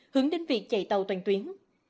hướng đến việc chạy tàu toàn tuyến